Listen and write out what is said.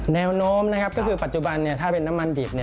แนวโน้มนะครับก็คือปัจจุบันถ้าเป็นน้ำมันดิบ